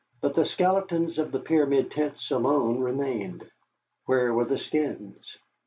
But the skeletons of the pyramid tents alone remained. Where were the skins?